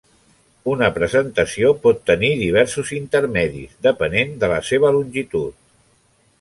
Una presentació pot tenir diversos intermedis, depenent de la seva longitud.